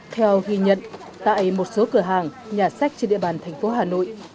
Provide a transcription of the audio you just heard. theo ghi nhận tại một số cửa hàng nhà sách trên địa bàn thành phố hà nội